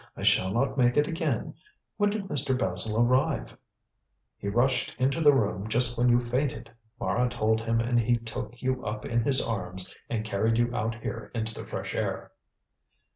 I shall not make it again. When did Mr. Basil arrive?" "He rushed into the room just when you fainted. Mara told him and he took you up in his arms and carried you out here into the fresh air."